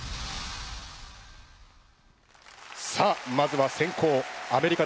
さあまずは先攻アメリカ代表